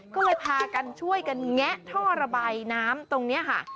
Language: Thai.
ก็เลยพากันช่วยกันแงะท่อระบายน้ำตรงนี้ค่ะ